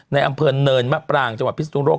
ในอำเภอเนินมะปรางจังหวัดพิศนุโลก